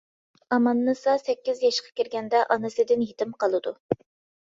ئاماننىسا سەككىز ياشقا كىرگەندە ئانىسىدىن يېتىم قالىدۇ.